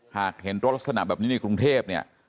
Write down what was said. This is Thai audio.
เห็นรถลักษณะแบบนี้ในกรุงเทพเนี่ย